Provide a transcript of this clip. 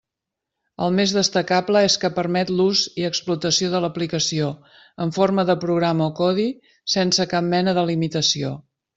El més destacable és que permet l'ús i explotació de l'aplicació, en forma de programa o codi, sense cap mena de limitació.